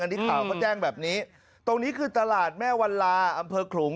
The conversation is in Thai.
อันนี้ข่าวเขาแจ้งแบบนี้ตรงนี้คือตลาดแม่วันลาอำเภอขลุง